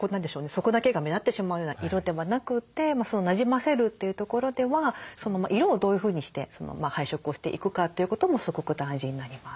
そこだけが目立ってしまうような色ではなくてなじませるというところでは色をどういうふうにして配色をしていくかということもすごく大事になります。